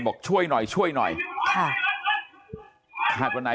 บอกช่วยหน่อยช่วยหน่อย